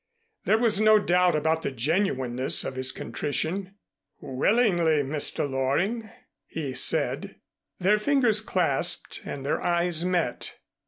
There was no doubt about the genuineness of his contrition. "Willingly, Mr. Loring," he said. Their fingers clasped and their eyes met.